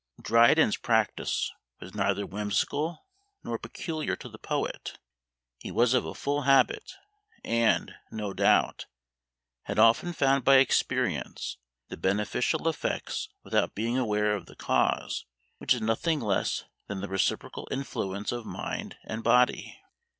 Dryden's practice was neither whimsical nor peculiar to the poet; he was of a full habit, and, no doubt, had often found by experience the beneficial effects without being aware of the cause, which is nothing less than the reciprocal influence of mind and body.